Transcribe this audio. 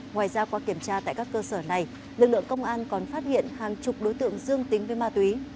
ngoài ra qua kiểm tra tại các cơ sở này lực lượng công an còn phát hiện hàng chục đối tượng dương tính với ma túy